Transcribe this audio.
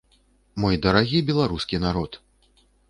Мой дарагі беларускі народ!